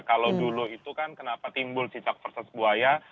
kalau dulu itu kan kenapa timbul cicak versus buaya